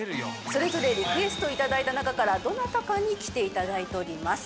それぞれリクエストいただいた中からどなたかに来ていただいております。